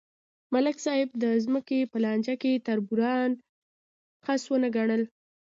ملک صاحب د ځمکې په لانجه کې تربوران خس ونه ګڼل.